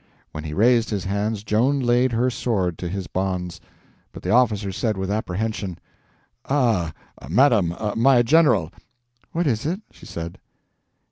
When he raised his hands Joan laid her sword to his bonds, but the officer said with apprehension: "Ah, madam—my General!" "What is it?" she said.